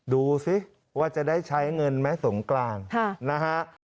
ดูสิว่าจะได้ใช้เงินไหมสงกรานนะฮะ